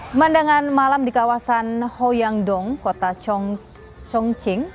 pemandangan malam di kawasan hoiang dong kota chongqing